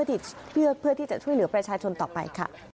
เพื่อที่จะช่วยเหลือประชาชนต่อไปค่ะ